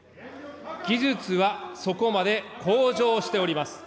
技術はそこまで向上しております。